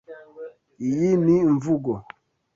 Iyi ni imvugo?